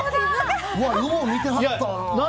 よう見てはったな。